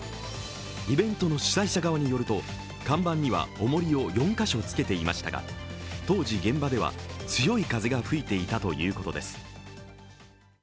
イベントの主催者側によると看板にはおもりを４か所つけていましたが、当時、現場では強い風が吹いていたということです。